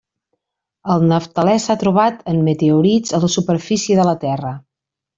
El naftalè s'ha trobat en meteorits a la superfície de la Terra.